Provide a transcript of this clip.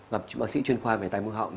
gặp bác sĩ chuyên khoa về tài mỹ họng